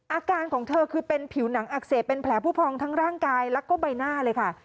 อาการของเธอคือเป็นผิวหนังอักเสบเป็นแผลผู้พองทั้งร่างกายแล้วก็ใบหน้าเลยค่ะ